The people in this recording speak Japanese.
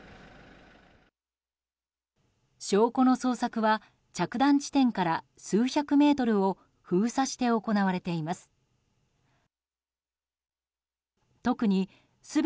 証拠の捜索は着弾地点から数百メートルを封鎖して行われています。